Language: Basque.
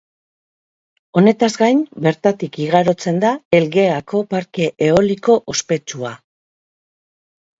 Honetaz gain, bertatik igarotzen da Elgeako parke eoliko ospetsua.